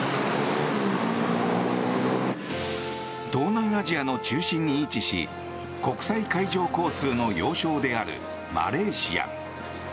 東南アジアの中心に位置し国際海上交通の要衝であるマレーシア。